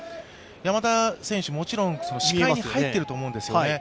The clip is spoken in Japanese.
山田選手、もちろん視界に入っていると思うんですよね。